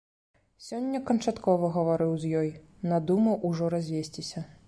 Сёння канчаткова гаварыў з ёй, надумаў ужо развесціся.